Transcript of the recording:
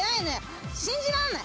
信じらんない。